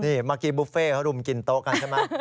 เมื่อกี้บุฟเฟ่เขารุมกินโต๊ะกันใช่ไหม